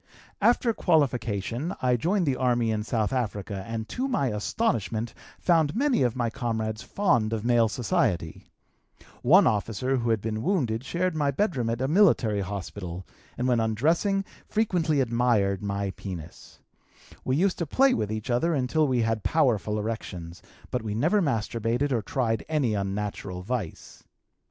"After qualification I joined the army in South Africa and to my astonishment found many of my comrades fond of male society; one officer who had been wounded shared my bedroom at a military hospital and when undressing frequently admired my penis; we used to play with each other until we had powerful erections, but we never masturbated or tried any unnatural vice.